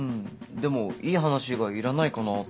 でもいい話以外いらないかなって。